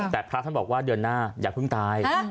แต่พระท่านบอกว่าเดือนหน้าอย่าเพิ่งตาย